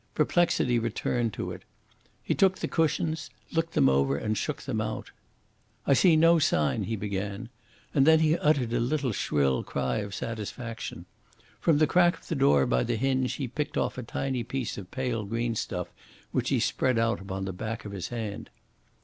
Perplexity returned to it. He took the cushions, looked them over and shook them out. "I see no sign " he began, and then he uttered a little shrill cry of satisfaction. From the crack of the door by the hinge he picked off a tiny piece of pale green stuff, which he spread out upon the back of his hand.